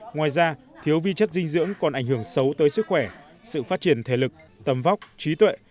ngoài ra thiếu vi chất dinh dưỡng còn ảnh hưởng xấu tới sức khỏe sự phát triển thể lực tầm vóc trí tuệ